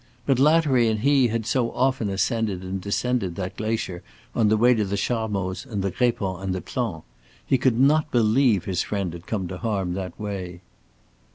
But Lattery and he had so often ascended and descended that glacier on the way to the Charmoz and the Grépon and the Plan. He could not believe his friend had come to harm that way.